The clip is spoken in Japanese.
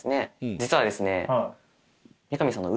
実はですね。